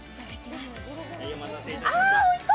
あ、おいしそう。